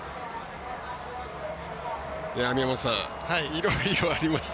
宮本さん、いろいろありました。